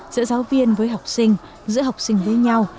giữa giáo viên với học sinh giữa học sinh với nhau